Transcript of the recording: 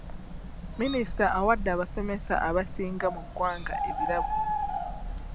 Minisita awadde abasomesa abasinga mu ggwanga ebirabo.